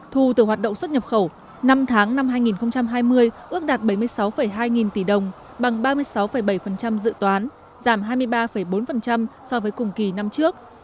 thu từ hoạt động xuất nhập khẩu năm tháng năm hai nghìn hai mươi ước đạt bảy mươi sáu hai nghìn tỷ đồng bằng ba mươi sáu bảy dự toán giảm hai mươi ba bốn so với cùng kỳ năm trước